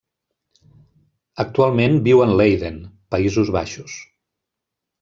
Actualment viu en Leiden, Països Baixos.